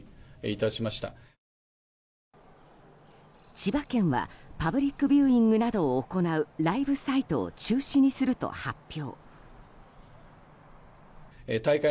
千葉県はパブリックビューイングなどを行うライブサイトを中止にすると発表。